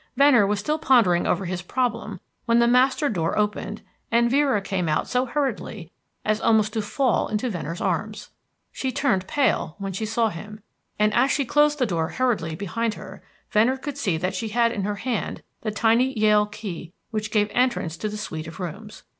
Venner was still pondering over his problem when the master door opened, and Vera came out so hurriedly as almost to fall into Venner's arms. She turned pale as she saw him; and as she closed the big door hurriedly behind her, Venner could see that she had in her hand the tiny Yale key which gave entrance to the suite of rooms.